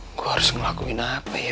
gue harus ngelakuin apa ya